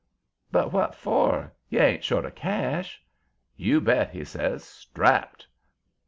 "But what for? You ain't short of cash?" "You bet!" he says. "Strapped."